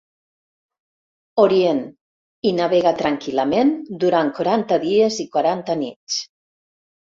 Orient i navega tranquil·lament durant quaranta dies i quaranta nits.